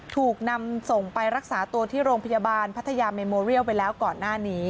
ถูกนำส่งไปรักษาตัวที่โรงพยาบาลพัทยาเมโมเรียลไปแล้วก่อนหน้านี้